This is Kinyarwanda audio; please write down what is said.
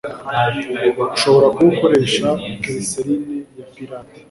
Ushobora kuba ukoresha glycerine ya pirate